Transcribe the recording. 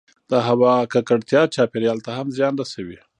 د هـوا کـکړتـيا چاپـېريال ته هم زيان رسـوي